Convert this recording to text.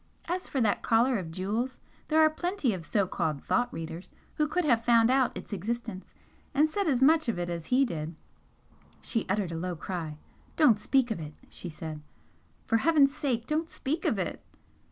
As for that collar of jewels, there are plenty of so called 'thought readers' who could have found out its existence and said as much of it as he did " She uttered a low cry. "Don't speak of it!" she said "For Heaven's sake, don't speak of it!"